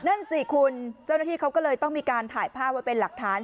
นั่นสิคุณเจ้าหน้าที่เขาก็เลยต้องมีการถ่ายภาพไว้เป็นหลักฐาน